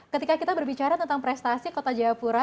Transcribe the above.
ketika kita berbicara tentang prestasi kota jayapura